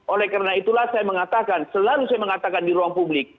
oleh karena itulah saya mengatakan selalu saya mengatakan di ruang publik